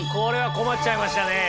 困っちゃいましたね。